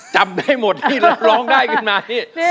จำได้หมดนี่แล้วร้องได้กันไหม